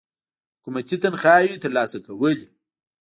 حکومتي تنخواوې تر لاسه کولې.